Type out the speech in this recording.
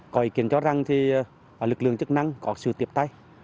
có ý kiến cho rằng lực lượng chức năng có sự tiếp tay